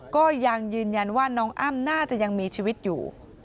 ก็ยังยืนยันว่าน้องอ้ำน่าจะยังมีชีวิตอยู่